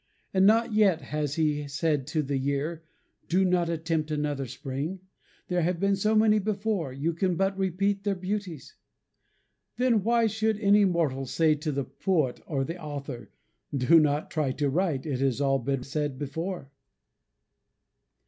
And not yet has he said to the year, "Do not attempt another spring there have been so many before, you can but repeat their beauties." Then why should any mortal say to the poet or the author, "Do not try to write it has all been said before."